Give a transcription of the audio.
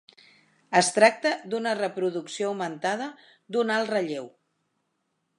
Es tracta d'una reproducció augmentada d'un alt relleu.